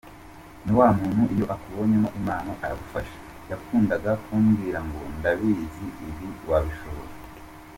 Ni wa muntu iyo yakubonyemo impano, aragufasha, yakundaga kumbwira ngo ‘ndabizi ibi wabishobora’.